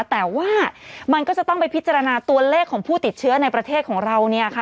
แต่ว่ามันก็จะต้องไปพิจารณาตัวเลขของผู้ติดเชื้อในประเทศของเราเนี่ยค่ะ